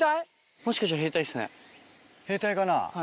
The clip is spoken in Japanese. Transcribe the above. もしかしたら兵隊ですね。